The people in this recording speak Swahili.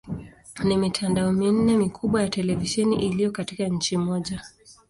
Ni mitandao minne mikubwa ya televisheni iliyo katika nchi moja.